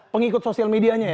pengikut sosial medianya ya